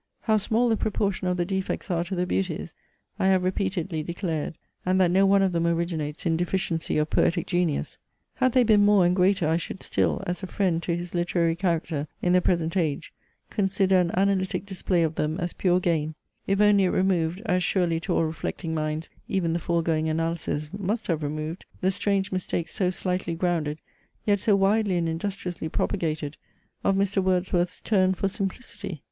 How small the proportion of the defects are to the beauties, I have repeatedly declared; and that no one of them originates in deficiency of poetic genius. Had they been more and greater, I should still, as a friend to his literary character in the present age, consider an analytic display of them as pure gain; if only it removed, as surely to all reflecting minds even the foregoing analysis must have removed, the strange mistake, so slightly grounded, yet so widely and industriously propagated, of Mr. Wordsworth's turn for simplicity!